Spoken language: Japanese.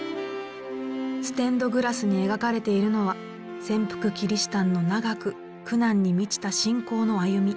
ステンドグラスに描かれているのは潜伏キリシタンの長く苦難に満ちた信仰の歩み。